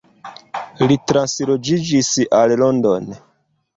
Li transloĝiĝis al London.